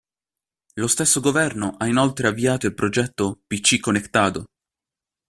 Lo stesso governo ha inoltre avviato il progetto PC Conectado.